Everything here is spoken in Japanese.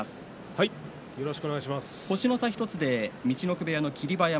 星の差１つで陸奥部屋の霧馬山。